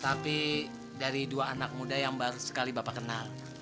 tapi dari dua anak muda yang baru sekali bapak kenal